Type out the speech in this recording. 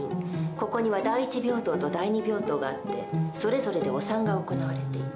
ここには第一病棟と第二病棟があってそれぞれでお産が行われていた。